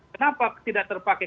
kenapa tidak terpakai